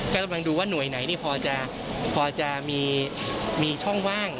ก็ต้องดูว่าหน่วยไหนนี่พอจะมีช่องว่าง